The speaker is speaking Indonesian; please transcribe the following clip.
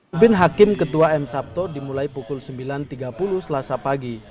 upin hakim ketua m sabto dimulai pukul sembilan tiga puluh selasa pagi